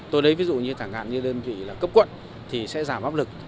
tôi thấy ví dụ như thẳng hạn như đơn vị cấp quận thì sẽ giảm áp lực